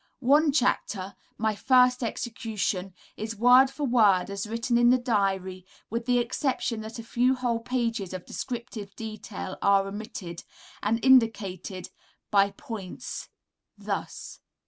One chapter "My First Execution" is word for word as written in the diary, with the exception that a few whole pages of descriptive detail are omitted, and indicated by points (thus....)